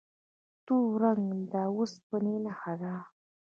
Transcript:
تور رنګ د اوسپنې نښه ده.